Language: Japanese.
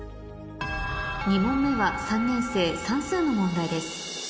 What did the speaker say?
２問目は３年生算数の問題です